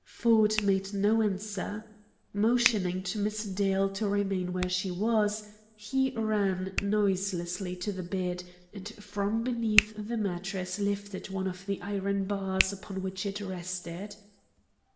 Ford made no answer. Motioning to Miss Dale to remain where she was, he ran noiselessly to the bed, and from beneath the mattress lifted one of the iron bars upon which it rested.